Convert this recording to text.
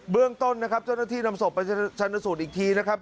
เรื่องต้นนะครับเจ้าหน้าที่นำศพไปชันสูตรอีกทีนะครับ